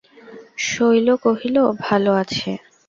শৈল কহিল, ভালো আছে।